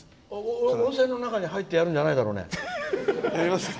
温泉の中に入ってやるんじゃないんだろうね？